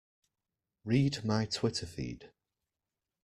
Read my Twitter feed.